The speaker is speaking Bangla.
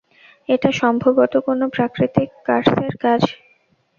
এটা সম্ভবত কোনো প্রাকৃতিক কার্সের কাজ।